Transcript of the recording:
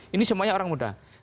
ini semuanya orang muda